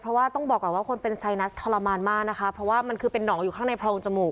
เพราะว่าต้องบอกก่อนว่าคนเป็นไซนัสทรมานมากนะคะเพราะว่ามันคือเป็นหนองอยู่ข้างในโพรงจมูก